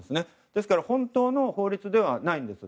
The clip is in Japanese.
ですから本当の法律ではないんです。